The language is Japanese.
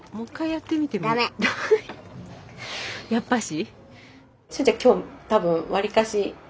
やっぱし？